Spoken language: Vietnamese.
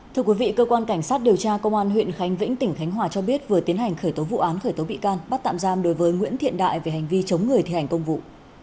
thưa quý vị cơ quan cảnh sát điều tra công an huyện khánh vĩnh tỉnh khánh hòa cho biết vừa tiến hành khởi tố vụ án khởi tố bị can bắt tạm giam đối với nguyễn thiện đại về hành vi chống người thi hành công vụ